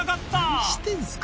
何してんすか。